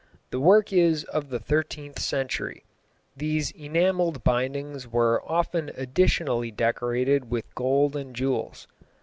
The work is of the thirteenth century. These enamelled bindings were often additionally decorated with gold and jewels.